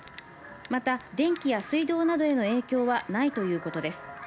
また電気や水道などへの影響はないということです。